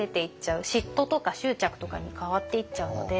嫉妬とか執着とかに変わっていっちゃうので。